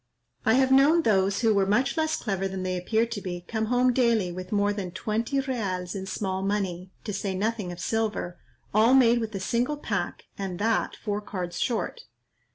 I have known those who were much less clever than they appear to be, come home daily with more than twenty reals in small money, to say nothing of silver, all made with a single pack, and that four cards short.